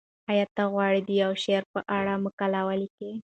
ایا ته غواړې د یو شاعر په اړه مقاله ولیکې؟